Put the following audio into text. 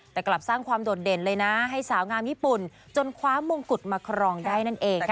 แต่กลับสร้างความโดดเด่นเลยนะให้สาวงามญี่ปุ่นจนคว้ามงกุฎมาครองได้นั่นเองค่ะ